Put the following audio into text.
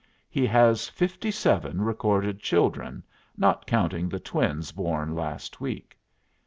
He has fifty seven recorded children, not counting the twins born last week.